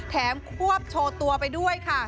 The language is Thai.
ควบโชว์ตัวไปด้วยค่ะ